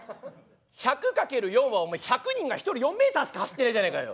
１００×４はお前１００人が１人４ｍしか走ってねえじゃねえかよ。